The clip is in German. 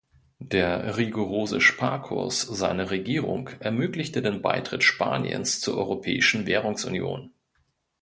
Der rigorose Sparkurs seiner Regierung ermöglichte den Beitritt Spaniens zur europäischen Währungsunion.